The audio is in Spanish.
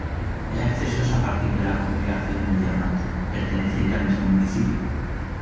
El acceso es a partir de la congregación del Diamante perteneciente al mismo municipio.